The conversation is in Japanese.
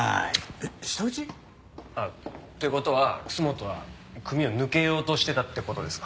えっ舌打ち？という事は楠本は組を抜けようとしてたって事ですか？